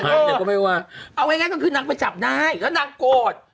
หายไปดีกว่าเอาง่ายก็คือนักไปจับได้แล้วนักโกต